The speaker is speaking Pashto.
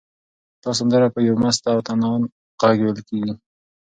دا سندره په یو مست او طنان غږ ویل کېږي.